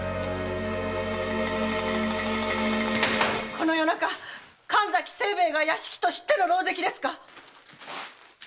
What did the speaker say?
この夜中神崎清兵衛が屋敷と知っての狼藉ですか？